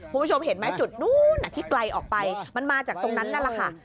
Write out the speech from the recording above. คุณผู้ชมเห็นไหมจุดนู้นที่ไกลออกไปมันมาจากตรงนั้นนั่นแหละค่ะ